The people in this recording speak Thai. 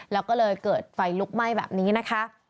แล้วก็เลยเกิดไฟลุกไหม้แบบนี้นะคะ